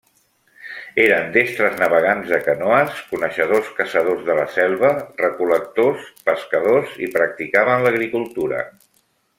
Eren destres navegants de canoes, coneixedors caçadors de la selva, recol·lectors, pescadors i practicaven l'agricultura.